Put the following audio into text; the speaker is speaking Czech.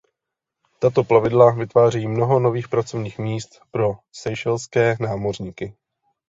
Tato plavidla vytvářejí mnoho nových pracovních míst pro seychelské námořníky.